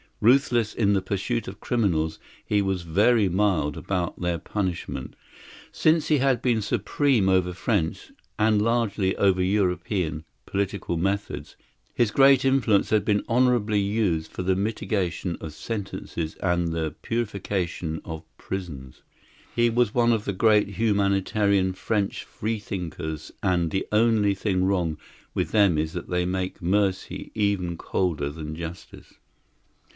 Ruthless in the pursuit of criminals, he was very mild about their punishment. Since he had been supreme over French and largely over European policial methods, his great influence had been honourably used for the mitigation of sentences and the purification of prisons. He was one of the great humanitarian French freethinkers; and the only thing wrong with them is that they make mercy even colder than justice.